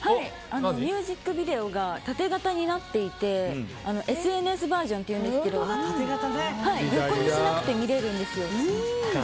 ミュージックビデオが縦型になっていてＳＮＳバージョンっていうんですけど横にしなくても見れるんですよ。